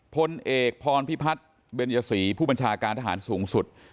พลเอกพรพิพัฒน์เบญยศรีผู้บัญชาการทหารสูงสุด